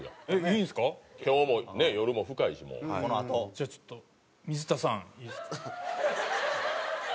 じゃあちょっと水田さんいいですか？